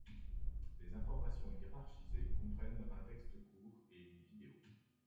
Les informations hiérarchisées comprennent un texte court et une vidéo.